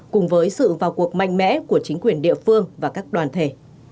cùng với sự vào cuộc mạnh mẽ của chính quyền địa phương và các đoàn thể